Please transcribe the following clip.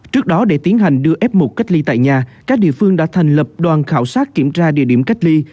trước đó để tiến hành đưa f một cách ly tại nhà các địa phương đã thành lập đoàn khảo sát kiểm tra địa điểm cách ly